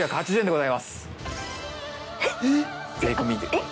えっ？